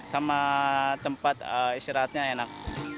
sama tempat istirahatnya enak